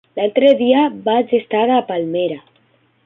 L'altre dia vaig estar a Palmera.